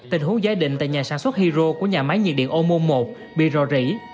tình huống giải định tại nhà sản xuất hydro của nhà máy nhiệt điện ô môn một bị rò rỉ